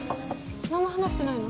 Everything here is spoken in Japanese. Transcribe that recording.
何も話してないの？